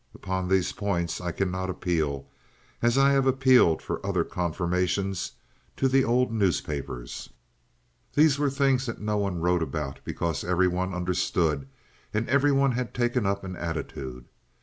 Upon these points I cannot appeal, as I have appealed for other confirmations, to the old newspapers; these were the things that no one wrote about because every one understood and every one had taken up an attitude.